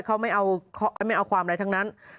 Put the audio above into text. เขาไม่เอาความอะไรทั้งนั้น